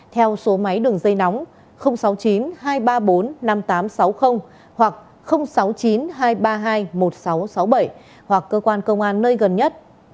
theo số máy đường dây nóng sáu mươi chín hai trăm ba mươi bốn năm nghìn tám trăm sáu mươi hoặc sáu mươi chín hai trăm ba mươi hai một nghìn sáu trăm sáu mươi bảy hoặc cơ quan công an nơi gần nhất